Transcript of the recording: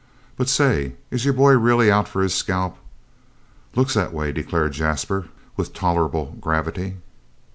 But, say, is your boy really out for his scalp?" "Looks that way," declared Jasper with tolerable gravity.